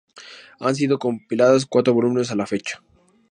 Han sido compilados cuatro volúmenes a la fecha.